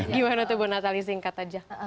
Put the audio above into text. gimana untuk ibu natali singkat saja